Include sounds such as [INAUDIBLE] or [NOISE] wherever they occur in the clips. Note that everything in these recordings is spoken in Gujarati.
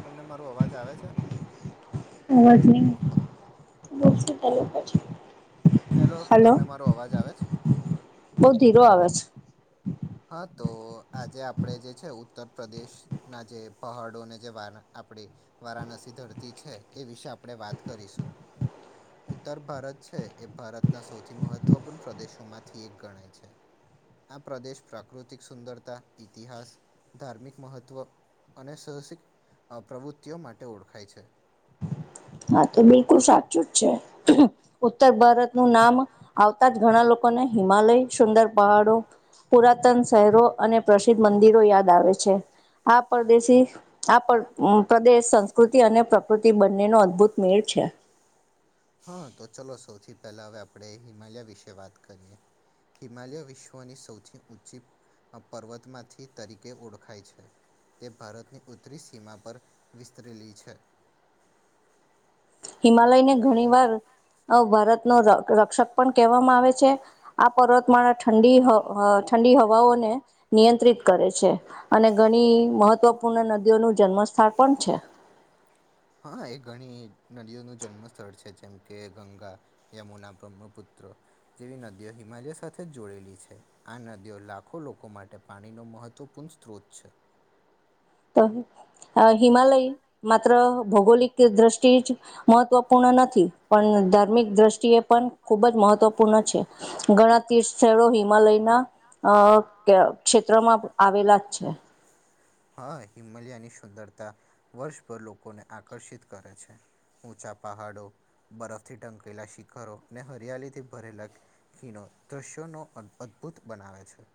તમને મારો અવાજ આવે છે. અવાજ નહી છે. હેલો તમને મારો અવાજ આવે છે. બહુ [INAUDIBLE] હા તો આજે આપણેે જે છે ઉત્તર પ્રદેશ ના જે પહાડોને જે વા વારાણસી ધરતી છે એ વિશે આપણે વાત કરીશું. ઉત્તર ભારત છે એ ભારતના સૌથી મહત્વપૂર્ણ પ્રદેશોમાંથી એક ગણાય છે. આ પ્રદેશ પ્રાકૃતિક સુંદરતા ઇતિહાસ ધાર્મિક મહત્ત્વ અને સાહસિક પ્રવૃત્તિઓ માટે ઓળખાય છે. હા તો બિલકુલ સાચું જ છે ઉત્તર ભારતનુંું નામ આવતા જ ઘણા લોકો હિમાલય સુંદર પહાડો પુરાતન શહેરો અને પ્રસિદ્ધ મંદિરો યાદ આવે છે. આ પરદેશી આ પ્રદેશ સંસ્કૃતિ અને પ્રકૃતિ બંને ન અભૂતમેળ છે. હા તો ચલો સૌથી પહેલા હવે આપણે હિમાલયા વિશે વાત કરીએ. હિમાલય વિશ્વની સૌથી ઊંચી અહ પર્વત માંથી તરીકે ઓળખાય છે. તે ભારતની ઉત્તરી સીમા પર વિસ્તરેલી છે. હિમાલય ને ઘણી વાર ભારત નો રક્ષક પણ કહેવામાં આવે છે, આ પર્વતમાળા ઠંડી ઠંડી હવાઓને નિયંત્રિત કરે છે, અને ઘણી મહત્વપૂર્ણ નદીઓ ન જન્મ [UNINTELLIGIBLE] છે.. [INAUDIBLE] હા એ ઘણી નદીઓનું જન્મ સ્થળ છે, જેમ કે ગંગા યમુના બ્રહ્મપુત્ર જેવી નદીઓ હિમાલય સાથે જોડેલી છે, આ નદીઓ લાખો લોકો માટે પાણીનો મહત્વપૂર્ણ સ્ત્રોત છે. [INAUDIBLE] તો હિમાલય માત્ર ભૌગોલિક દ્રષ્ટિ જ મહત્વપૂર્ણ નથી પણ ધાર્મિક દ્રષ્ટિએ પણ ખુબ જ મહત્વપૂર્ણ છે, ઘણા તીર્થ સ્થળો હિમાલય [UNINTELLIGIBLE] ક્ષેત્રમાં આવેલા જ છે. હા હિમાલયાની સુંદરતા વર્ષભર લોકોને આકર્ષિત કરે છે. ઊંચા પહાડો બરફથી ટંકેલા શિખરો અને હરિયાલીથી ભરેલા ખીણો દૃશ્યોનો [UNINTELLIGIBLE] અદભુત બનાવે છે.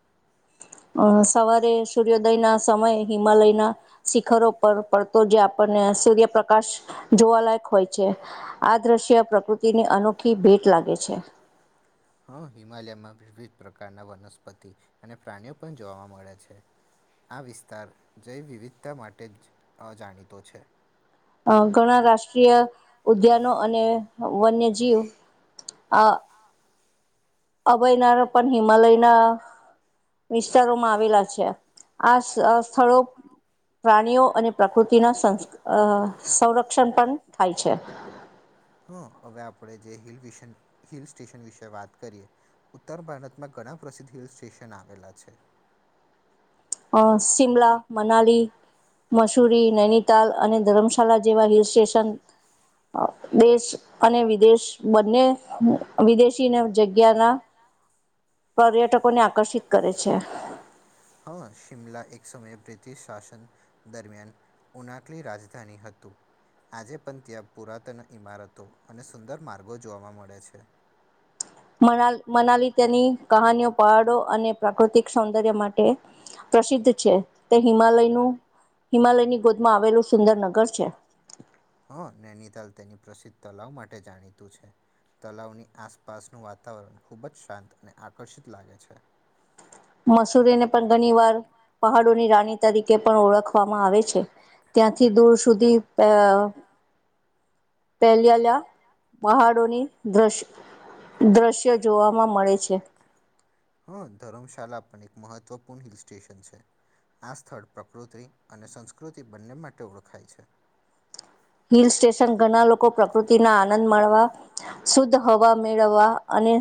અ સવારે સૂર્યોદય ના સમય હિમાલયના શિખરો પર પડતો જે આપ સૂર્યપ્રકાશ જોવાલાયક હોય છે, આ દ્રશ્ય પ્રકૃતિની અનોખી ભેટ. લાગે છે. [INAUDIBLE] હા હિમાલયમાં વિવિધ પ્રકારના વનસ્પતિ અને પ્રાણીઓ પણ જોવા મળે છે. આ વિસ્તાર જૈવવવિધતા માટે જ અજાણીતો છે. અ ઘણા રાષ્ટ્રીય ઉદ્યાનો અને. વન્યજીવ આ. [UNINTELLIGIBLE] પણ હિમાલયના વિસ્તારોમાં આવેલા છે, આ [UNINTELLIGIBLE] સ્થળો. પ્રાણીઓ અને પ્રકૃતિના [UNINTELLIGIBLE] સંરક્ષણ પણ થાય છે. હ હવે આપણે જે [UNINTELLIGIBLE] હિલ સ્ટેશન વિશે વાત કરીએ ઉત્તર ભારતમાં ઘણા પ્રસિદ્ધ હિલ સ્ટેશન આવેલા છે. અ શિમલા મનાલી. મસૂરી નૈનીતાલ અને ધર્મશાલા જેવા હિલ સ્ટેશન. દેશ અને વિદેશ બંને વિદેશી જગ્યાના. [INAUDIBLE] [UNINTELLIGIBLE] આકર્ષિત કરે છે. હં શિમલા એક સમયે બ્રિટિશ શાસન દરમિયાન ઉનાકલી રાજધાની હતી. આજે પણ ત્યાં પુરાતન ઈમારતો અને સુંદર માર્ગો જોવા મળે છે. [INAUDIBLE] [UNINTELLIGIBLE] મનાલી તેની કહાનીઓ પહાડો અને પ્રાકૃતિક સૌંદર્ય માટે. પ્રસિદ્ધ છે, તે હિમાલયનું. હિમાલયની ગોદમાં આવેલું સુંદર નગર છે. હ નૈનીતાલ તેની પ્રસિદ્ધ તલાવ માટે જાણીતું છે. તલાવની આસપાસનું વાતાવરણ ખુબ જ શાંત અને આકર્ષિત લાગે છે. મસૂરીને પણ ઘણી વાર પહાડોની રાની. તરીકે પણ ઓળખવામાં આવે છે, ત્યાંથી દૂર સુધી અ [UNINTELLIGIBLE] દ્રશ્ય જોવાવામાં મળે છે. હા ધર્મશાળ પણ એક મહત્વપૂર્ણ હિલ સ્ટેશન છે. આ સ્થળ પ્રકૃતિ અને સંસ્કૃતિ બંને માટે ઓળખાય છે. હિલ સ્ટેશન ઘણા લોકો પ્રકૃતિ ના આનંદ મળવા. શુદ્ધ હવા મેળવવા અને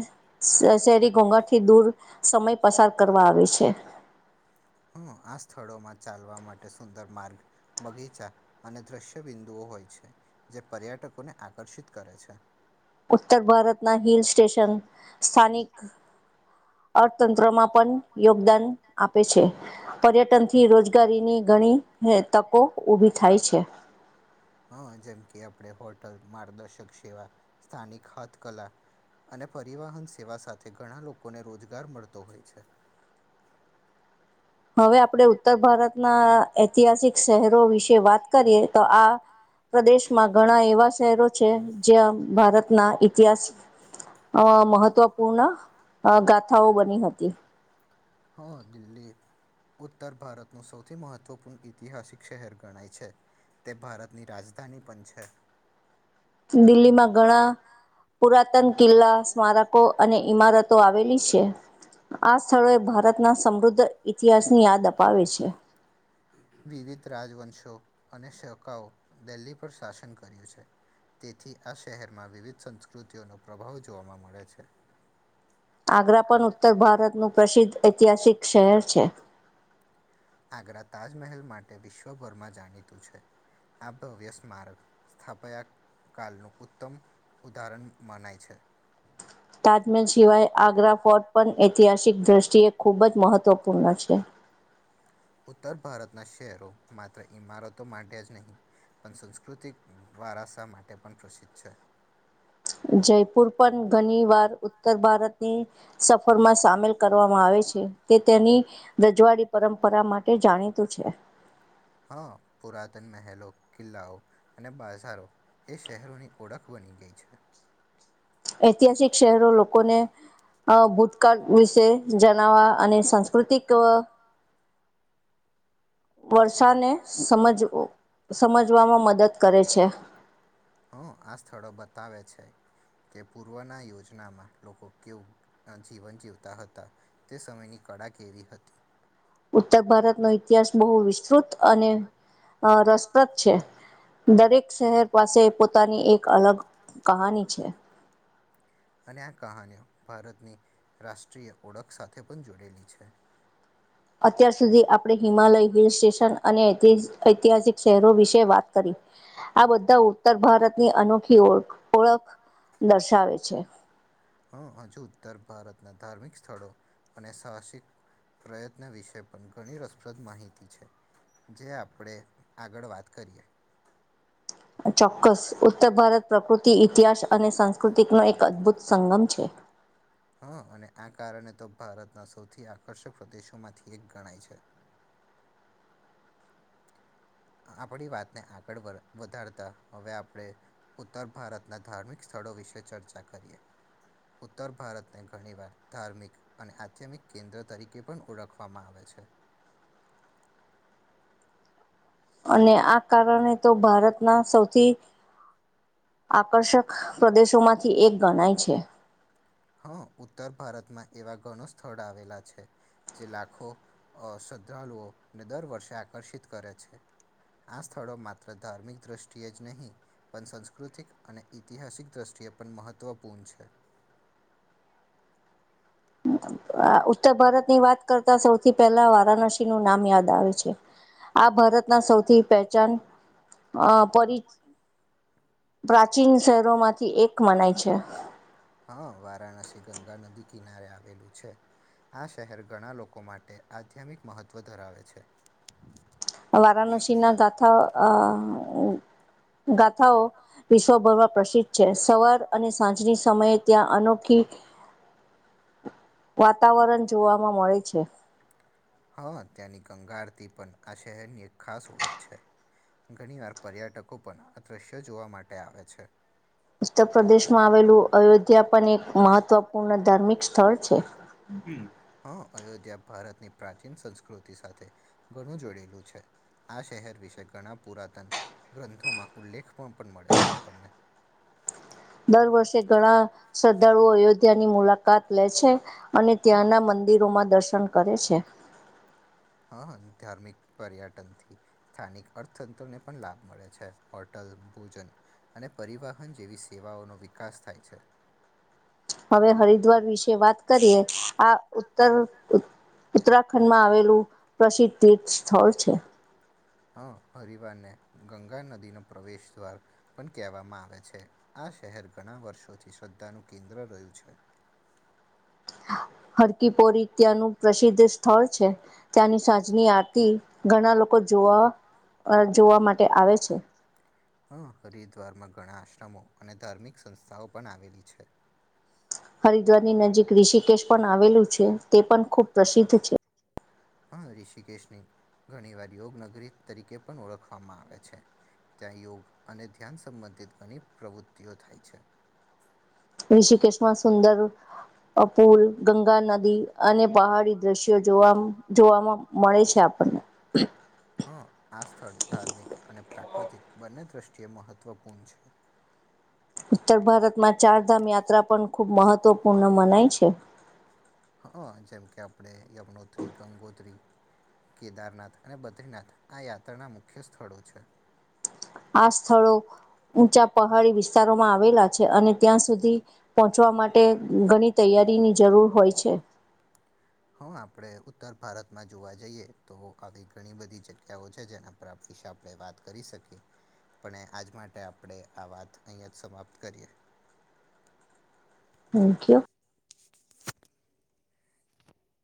શહેરી ઘોઘા થી દૂર સમય પસાર કરવા. આવે છે. [INAUDIBLE] હ, આ સ્થળોમાં ચાલવા માટે સુંદર માર્ગ, બગીચા અને દ્રશ્ય બિંદુઓ હોય છે, જે પર્યટકોને આકર્ષિત કરે છે. ઉત્તર ભારતના હિલ સ્ટેશન, સ્થાનિક અર્થતંત્રમાં પણ યોગદાન આપે છે. પર્યટન થી રોજગારીની ઘ ણી હ તકો ઉભી થાય છે. [INAUDIBLE] હ જેમ કે આપણે હોટલ મારદશક શેવા, સ્થાનિક હથકલા અને પરિવહન સેવા સાથે ઘણા લોકોને રોજગાર મળતો હોય છે. [INAUDIBLE] હવે આપણે ઉત્તર ભારતના ઐતિહાસિક શેહરો વિશે વાત કરીએ તો આ પ્રદેશમાં ઘણા એવા શેહેરો છે જ્યાં ભારતના ઇતિહાસ અ મહત્વપૂર્ણ ગાથાઓ બની હતી. હા દિલ્હી ઉત્તર ભારતનું સૌથી મહત્વપૂર્ણ ઇતિહાસિક શેહેર ગણાય છે. તે ભારતની રાજધાની પન છે. દિલ્હીમાં ઘણા પુરાતન કિલ્લા સ્મારકો અને ઈમારતો આવેલી છે. આ સ્થળોએ ભારતના સમૃદ્ધ ઇતિહાસની યાદ અપાવે છે. વિવિધ રાજવંશો અને શકાઓ દેલ્હી પર શાસન કર્યું છે. તેથી આ શેહેરમાં વિવિધ સંસ્કૃતિઓનો પ્રભાવ જોવામા મળે છે. આગ્રા પણ ઉત્તર ભારતનું પ્રસિદ્ધ ઐતિહાસિક શેહેર છે. આગ્રા તાજમહેલ માટે વિશ્વભરમા જાણીતું છે. આ ભવ્ય સ્મારક સ્થાપયાક કાલનુ ઉત્તમ ઉદાહરણ મનાય છે. કોટ પણ ઐતિહાસિક દ્રષ્ટિએ ખૂબ જ મહત્વપૂર્ણ છે. ઉત્તર ભારતના શેહેરો માત્ર ઈમારતો માટે જ નહીં પણ સંસ્કૃતિક વારાસા માટે પણ પ્રસિદ્ધ છે. જયપુર પણ ઘની વાર ઉત્તર ભારતની સ [UNINTELLIGIBLE] મા સામેલ કરવામા આવે છે. કે તેની રજવાડી પરંપરા માટે જાણીતુ છે. હા, પુરાતન મેહેલો, કિલ્લાઓ અને બાઝારો એ શેહેરોની ઓળખ બની ગઈ છે. ઐતિહાસિક શેહરો લોકોને અ ભૂતકાળ વિશે જનાવા અને સાંસ્કૃતિક વ વર્ષાને સમજવો સમજવામાં મદદ કરે છે. હ આ સ્થળો બતાવે છે કે પૂર્વના યોજનામાં લોકો કેવુ જીવન જીવતા હતા. તે સમયની કડાકેરી હતી. ઉત્તર ભારતનો ઇતિહાસ બહુ વિસ્તૃત અને અ રસપ્રદ છે. દરેક શેહેર પાસે પોતાની એક અલગ કહાની છે. અને આ કહાનીઓ ભારતની રાષ્ટ્રીય ઓળખ સાથે પણ જોડેલી છે. અત્યાર સુધી આપડે હિમાલય હિલ સ્ટેશન અને ઐથી ઐતિહાસિક શેહરો વિશે વાત કરી. આ બધા ઉત્તર ભારતની અનોખી ઓળ ઓળખ દર્શાવે છે. હ હજુ ઉત્તર ભારતના ધાર્મિક સ્થળો અને સહાસિક પ્રયત્ન વિશે પણ ઘણી રસપ્રદ માહિતી છે. જે આપડે આગળ વાત કરીએ. ચોક્કસ ઉત્તર ભારત પ્રકૃતિ ઇતિહાસ અને સાંસ્કૃતિકનો એક અદ્ભુત સંગમ છે. હ અને આ કારણે તો ભારતના સૌથી આકર્ષક પ્રદેશોમાંથી એક ગણાય છે. આપણી વાતને આગળ વર વધારતા હવે આપણે ઉત્તર ભારતના ધાર્મિક સ્થ ળો વિશે ચર્ચા કરીએ. ઉત્તર ભારતને ઘણી વાર ધાર્મિક અને આધ્યાત્મિક કેન્દ્ર તરીકે પણ ઓળખવામા આવે છે. અને આ કારણે તો ભારતના સૌથી આકર્ષક પ્રદેશોમાંથી એક ગણાય છે. હા ઉત્તર ભારતમા એવા ઘણો સ્થળ આવેલા છે. જે લાખો અ શ્ર્ધળુઓને દર વર્ષે આકર્ષિત કરે છે. આ સ્થળો માત્ર ધાર્મિક દ્રષ્ટિએ જ નહીં પણ સાંસ્કૃતિક અને ઐતિહાસિક દ્રષ્ટિ એ પણ મહત્વપૂર્ણ છે. આ ઉત્તર ભારતની વાત કરતા સૌથી પહેલા વારાનસીનુ નામ યાદ આવે છે. આ ભારતના સૌથી પહેચાન અ પરિ [UNINTELLIGIBLE] પ્રાચીન શહેરોમાંથી એક મનાય છે. હા, વારાણસી ગંગા નદી કિનારે આવેલું છે. આ શહેર ઘણા લોકો માટે આધ્યાત્મિક મહત્ત્વ ધરાવે છે. વારાણસીના ગાથા અ ગાથાઓ વિશ્વભરમાં પ્રસિદ્ધ છે, સવાર અને સાંજની સમયે ત્યાં અનોખી [UNINTELLIGIBLE] વાતાવરણ જોવાવામાં મળે છે. હતી પણ આ શહેરની એક ખાસ ઓળખ છે. ઘણી વાર પર્યટકો પણ આ દ્રશ્યો જોવા માટે આવે છે. ઉત્તર પ્રદેશમાં આવેલું અયોધ્યા પણ એક મહત્વપૂર્ણ ધાર્મિક સ્થળ છે. હા અયોધ્યા ભારતની પ્રાચીન સંસ્કૃતિ સાથે ઘણું જોડેલું છે. આ શહેર વિશે ઘણા પુરાતન ગ્રંથોમાં ઉલ્લેખ પણ પણ મળે છે, આપણને [UNINTELLIGIBLE] દર વર્ષે ઘણા શ્રદ્ધાળુઓ અયોધ્યાની મુલાકાત લે છે, અને ત્યાંના મં દિરોમાં દર્શન કરે છે. [UNINTELLIGIBLE] હા ધાર્મિક પર્યટનથી સ્થાનિક અર્થતંત્રને પણ લાભ મળે છે, હોટલ ભોજન અને પરિવહન જેવી સેવાઓનો વિકાસ થાય છે. હવે હરિદ્વાર વિશે વાત કરીએ આ ઉત્તર ઉત્તરાખંડમાં આવેલું પ્રસિદ્ધ તીર્થ સ્થળ છે. હા હરિવારને ગંગા નદીન પ્રવેશ દ્વાર પણ કહેવામાં આવે છે, આ આ શહેર ઘણા વર્ષોથી શ્રદ્ધાનું કેન્દ્ર રહ્યું છે. હરકીપોરી ત્યાંનું પ્રસિદ્ધ સ્થળ છે. ત્યાંની સાંજની આરતી ઘણા લોકો જોવા અ જોવા માટે આવે છે. હ હરિદ્વારમાં ઘણા આશ્રમો અને ધાર્મિક સંસ્થાઓ પણ આવેલી છે. હરિદ્વારની નજીક ઋષિકેશ પણ આવેલું છે, તે પણ ખૂબ પ્રસિદ્ધ છે. હા ઋષિકેશની ઘણી વાર યોગ નગરી તરીકે પણ ઓળખવામાં આવે છે. ત્યાં યોગ અને ધ્યાન સંબંધિત ઘણી પ્રવૃત્તિઓ થાય છે. ઋષિકેશમાં સુંદર અ પુલ ગંગા નદી અને પહાડી દ્રશ્યો જોવા જોવામાં મળે છે, આપ [UNINTELLIGIBLE] હ આ સ્થળ ધાર્મિક અને પ્રા પ્રાકૃતિક બંને દ્રષ્ટિએ મહત્વપૂર્ણ છે. ઉત્તર ભારતમાં ચારધામ યાત્રા પણ ખૂબ મહત્વપૂર્ણ મનાય છે. હં જેમકે આપણે યમુનોત્રી ગંગોત્રી કેદારનાથ અને બદ્રીનાથ આ યાત્રાના મુખ્ય સ્થળો છે. આ સ્થળો ઊંચા પહાડી વિસ્તારોમાં આવેલા છે અને ત્યાં સુધી પહોંચવા માટે ઘણી તૈયારીની જરૂર રૂર હોય છે. [INAUDIBLE] હં, આપડે ઉત્તર ભારતમાં જોવા જઈએ, તો આવી ઘણી બધી જગ્યાઓ છે જેના પર આપ શે આપણે વાત કરી શકીએ. પણે આજ માટે આપણે આ વાત અહીંયા જ સમાપ્ત કરીએ. Thank you